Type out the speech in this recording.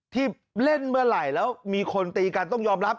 ที่เล่นเมื่อไหร่แล้วมีคนตีกันต้องยอมรับ